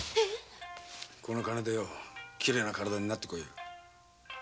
この金できれいな体になって来い。